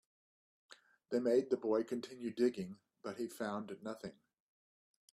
They made the boy continue digging, but he found nothing.